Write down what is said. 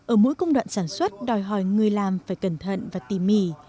ở mỗi công đoạn sản xuất đòi hỏi người làm phải cẩn thận và tỉ mỉ